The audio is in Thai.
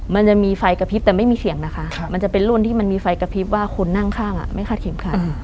มันจะมีไฟกระพริบแต่ไม่มีเสียงนะคะมันจะเป็นรุ่นที่มันมีไฟกระพริบว่าคนนั่งข้างไม่คาดเข็มขัด